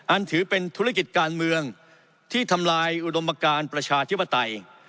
ถือเป็นธุรกิจการเมืองที่ทำลายอุดมการประชาธิปไตย